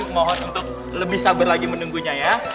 mohon untuk lebih sabar lagi menunggunya ya